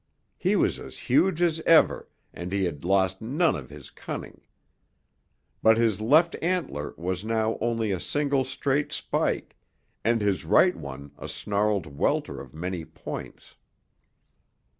He was as huge as ever and he had lost none of his cunning. But his left antler was now only a single straight spike and his right one a snarled welter of many points.